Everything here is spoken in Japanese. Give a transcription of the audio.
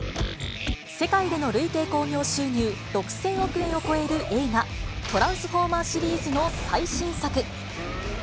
世界での累計興行収入６０００億円を超える映画、トランスフォーマーシリーズの最新作。